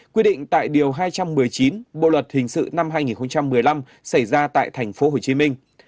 quyết định tại điều hai trăm một mươi chín bộ luật hình sự năm hai nghìn một mươi năm xảy ra tại tp hcm